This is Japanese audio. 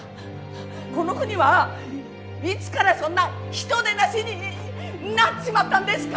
この国はいつからそんな人でなしになっちまったんですか！